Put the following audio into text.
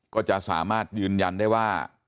ก็จะสามารถยืนยันได้ว่า